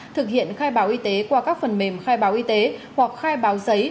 thực hiện khai báo y tế qua các phần mềm khai báo y tế hoặc khai báo giấy